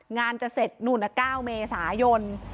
งานจะเสร็จหนุนเก้าเมษายน